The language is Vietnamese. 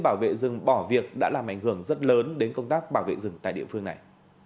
bảo vệ rừng bỏ việc đã làm ảnh hưởng rất lớn đến công tác bảo vệ rừng tại địa phương này